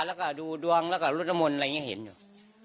แล้วก็ดูดวงแล้วก็รุดละมนต์อะไรอย่างนี้เห็นอยู่